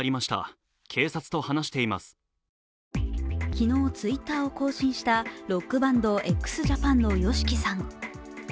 昨日、Ｔｗｉｔｔｅｒを更新したロックバンド、ＸＪＡＰＡＮのＹＯＳＨＩＫＩさん。